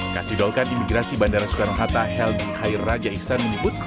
kasidolkan imigrasi bandara soekarno hatta helbi khair raja iksan menyebut